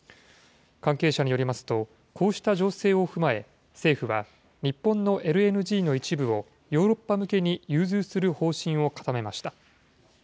関係者によりますと、こうした情勢を踏まえ、政府は日本のＬＮＧの一部を、ヨーロッパ向けに融通する方針を固めました。